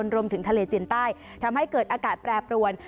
รวมถึงทะเลจีนใต้ทำให้เกิดอากาศแปรปรวน